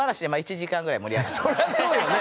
そりゃあそうよね。